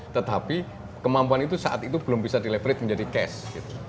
tetapi kemampuan itu saat itu belum bisa dileverage menjadi cash gitu